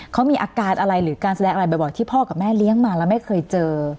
เขามีอาการอะไรหรือการแสดงอะไรบ่อยที่พ่อกับแม่เลี้ยงมาแล้วไม่เคยเจอ